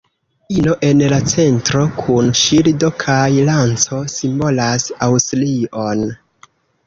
Ino en la centro, kun ŝildo kaj lanco simbolas Aŭstrion.